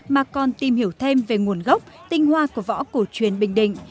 mà còn tìm hiểu thêm về nguồn gốc tinh hoa của võ cổ truyền bình định